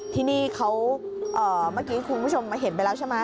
ที่นี่เขาเมื่อกี้คุณผู้ชมเห็นไปแล้วใช่ไหม